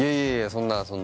そんなそんなもう。